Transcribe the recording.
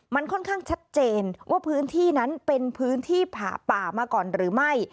มันค่อนข้างชัดเจนว่าพื้นที่นั้นเป็นพื้นที่ผ่าป่ามาก่อนหรือไม่